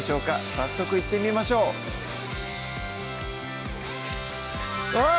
早速いってみましょうあっ！